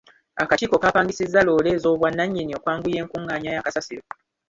Akakiiko kaapangisizza loore ez'obwannannyini okwanguya enkungaanya ya kasasiro.